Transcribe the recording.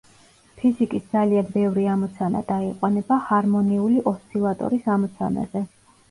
ფიზიკის ძალიან ბევრი ამოცანა დაიყვანება ჰარმონიული ოსცილატორის ამოცანაზე.